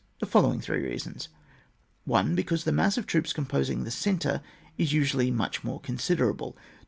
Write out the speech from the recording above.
The following three reasons. 1. Because the mass of troops com posing the centre is usually much more considerable.